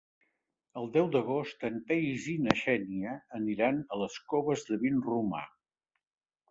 El deu d'agost en Peris i na Xènia aniran a les Coves de Vinromà.